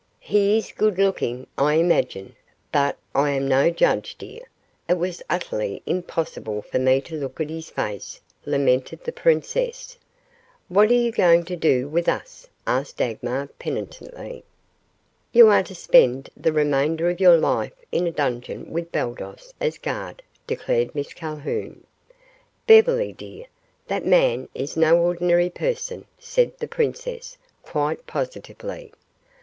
"He is good looking, I imagine, but I am no judge, dear. It was utterly impossible for me to look at his face," lamented the princess. "What are you going to do with us?" asked Dagmar penitently. "You are to spend the remainder of your life in a dungeon with Baldos as guard," decided Miss Calhoun. "Beverly, dear, that man is no ordinary person," said the princess, quite positively.